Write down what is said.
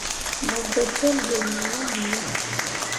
Mo gbo jolle be me ah liini.